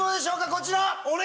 ⁉こちら！